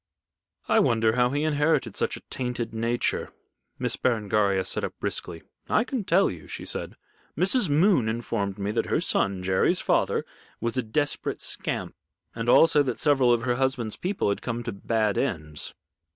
I wonder how he inherited such a tainted nature." Miss Berengaria sat up briskly. "I can tell you," she said. "Mrs. Moon informed me that her son Jerry's father was a desperate scamp, and also that several of her husband's people had come to bad ends."